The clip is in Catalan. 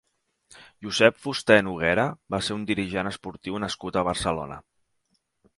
Josep Fusté Noguera va ser un dirigent esportiu nascut a Barcelona.